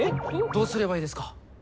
どうすればいいですか？